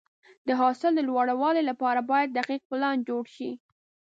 د حاصل د لوړوالي لپاره باید دقیق پلان جوړ شي.